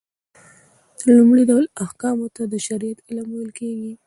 د لومړي ډول احکامو ته د شريعت علم ويل کېږي .